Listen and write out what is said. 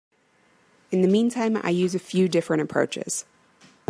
In the meantime, I use a few different approaches.